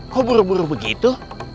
kok buru buru begitu